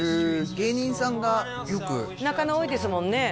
芸人さんがよく中野多いですもんね